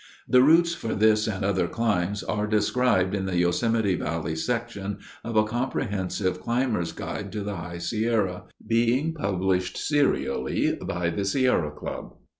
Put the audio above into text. The routes for this and other climbs are described in the Yosemite Valley section of a comprehensive 'Climber's Guide to the High Sierra,' being published serially by the Sierra Club.